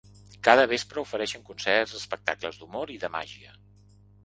Cada vespre ofereixen concerts, espectacles d’humor i de màgia.